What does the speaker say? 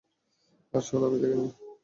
আর শোন- - আমি দেখে নেব।